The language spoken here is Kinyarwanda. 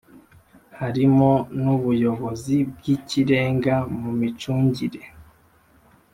harimo n ubuyobozi bw ikirenga mu micungire